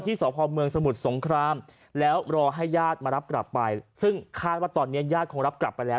สพเมืองสมุทรสงครามแล้วรอให้ญาติมารับกลับไปซึ่งคาดว่าตอนนี้ญาติคงรับกลับไปแล้ว